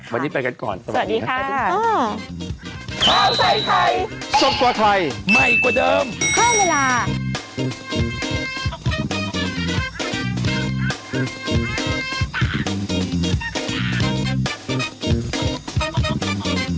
วันนี้ไปกันก่อนสวัสดีค่ะ